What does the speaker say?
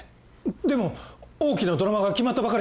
でも大きなドラマが決まったばかりで